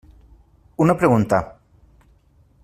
Una pregunta.